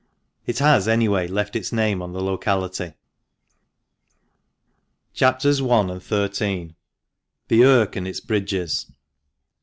It has, anyway, left its name on the locality. CHAPS. I AND XIII.— THE IRK AND ITS BRIDGES.